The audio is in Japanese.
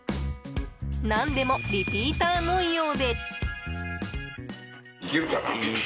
何でもリピーターのようで。